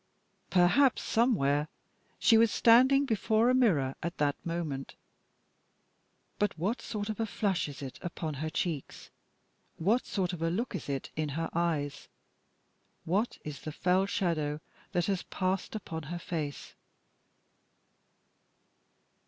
Perhaps, somewhere, she was standing before a mirror at that moment. But what sort of a flush is it upon her cheeks? What sort of a look is it in her eyes? What is this fell shadow that has passed upon her face?